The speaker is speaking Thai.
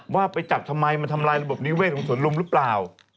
ว่าไปจับทำไมมันทำลายระบบนิเวศของสวนลุมหรือเปล่า